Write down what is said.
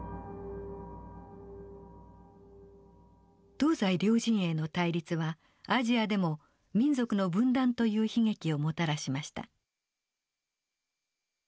東西両陣営の対立はアジアでも民族の分断という悲劇をもたらしました。